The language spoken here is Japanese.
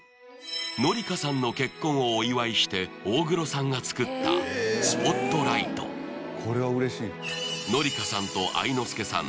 紀香さんの結婚をお祝いして大黒さんが作った『Ｓｐｏｔｌｉｇｈｔ』紀香さんと愛之助さん